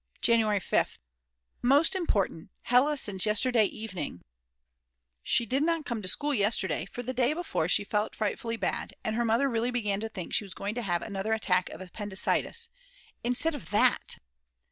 January 5th. Most important, Hella since yesterday evening ! She did not come to school yesterday, for the day before she felt frightfully bad, and her mother really began to think she was going to have another attack of appendicitis. Instead of that!!!